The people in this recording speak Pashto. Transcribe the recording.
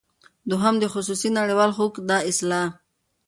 دوهم د خصوصی نړیوال حقوق دا اصطلاح